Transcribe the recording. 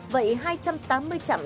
vậy hai trăm tám mươi chặng